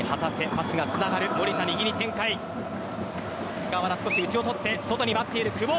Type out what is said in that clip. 菅原、内を取って外に待っている久保。